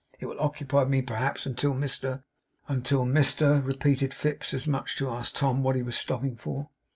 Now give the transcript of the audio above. It will occupy me, perhaps, until Mr ' 'Until Mr ' repeated Fips; as much as to ask Tom what he was stopping for.